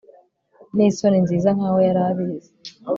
Nisoni nziza nkaho yari abizi